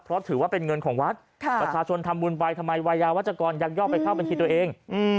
เพราะถือว่าเป็นเงินของวัดประชาชนทำบุญไปทำไมวัยยาวัชกรยังย่อไปเข้าบัญชีตัวเอง